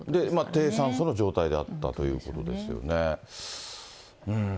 低酸素の状態だったということですよね。